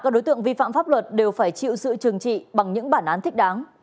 các đối tượng vi phạm pháp luật đều phải chịu sự trừng trị bằng những bản án thích đáng